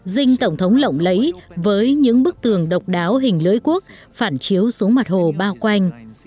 dinh tổng thống lộng lẫy với những bức tường độc đáo hình lưỡi quốc phản chiếu xuống mặt hồ bao quanh